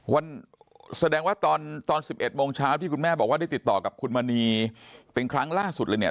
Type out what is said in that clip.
แสดงว่าตอน๑๑โมงเช้าที่คุณแม่บอกว่าได้ติดต่อกับคุณมณีเป็นครั้งล่าสุดเลยเนี่ย